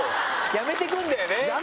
やめていくんだよね！